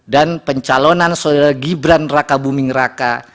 dan pencalonan soedara gibran raka buming raka